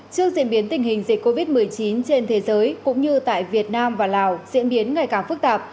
trước diễn biến tình hình dịch covid một mươi chín trên thế giới cũng như tại việt nam và lào diễn biến ngày càng phức tạp